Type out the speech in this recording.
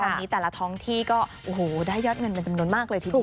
ตอนนี้แต่ละท้องที่ก็โอ้โหได้ยอดเงินเป็นจำนวนมากเลยทีเดียว